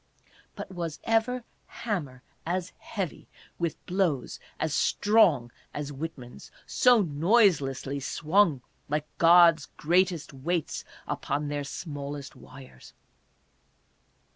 But was ever hammer as heavy, with blows as strong as Whitman's, so noiselessly swung, like God's greatest weights upon their smallest wires